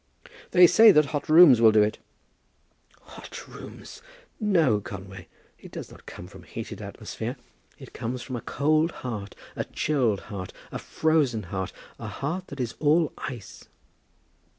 "They say that hot rooms will do it." "Hot rooms! No, Conway, it does not come from heated atmosphere. It comes from a cold heart, a chilled heart, a frozen heart, a heart that is all ice."